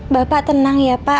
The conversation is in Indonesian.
bapak tenang ya pak